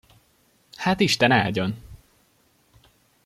Hát isten áldjon!